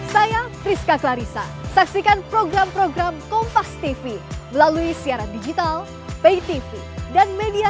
saya priska clarissa saksikan program program kompas tv melalui siaran digital pay tv dan media